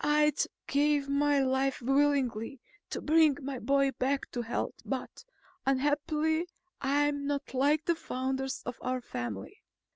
I'd give my life willingly to bring my boy back to health but unhappily I'm not like the founders of our family.